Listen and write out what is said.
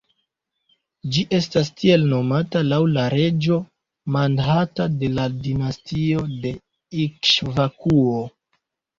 Ĝi estas tiel nomata laŭ la reĝo Mandhata de la dinastio de Ikŝvakuo.